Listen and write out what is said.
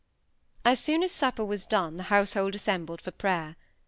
As soon as supper was done the household assembled for prayer.